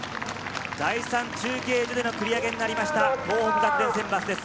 第３中継所での繰り上げとなりました、東北学連選抜です。